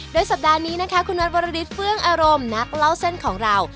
โดยสัปดาห์นี้นะคะคุณน็ตวรริสเฟื่องอารมณ์นักเล่าเส้นของเรา